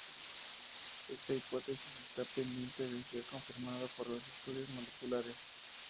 Esta hipótesis está pendiente de ser confirmada por los estudios moleculares.